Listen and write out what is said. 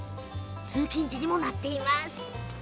通勤路にもなっています。